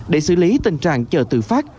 để xử lý tình trạng chợ tự phát